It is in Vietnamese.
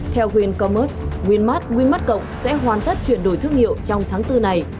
theo wincommerce winmart winmart cộng sẽ hoàn tất chuyển đổi thương hiệu trong tháng bốn này